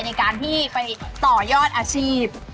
ในการที่ไปต่อยอดอาชีพ